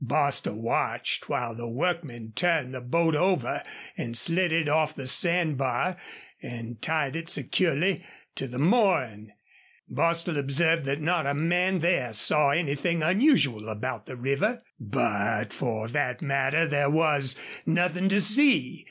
Bostil watched while the workmen turned the boat over and slid it off the sand bar and tied it securely to the mooring. Bostil observed that not a man there saw anything unusual about the river. But, for that matter, there was nothing to see.